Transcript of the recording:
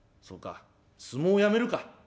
そうか相撲をやめるか。